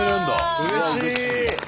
うれしい！